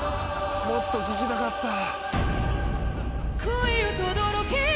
もっと聴きたかった。